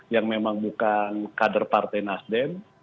yang memang bukan kader partai nasdem